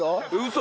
嘘！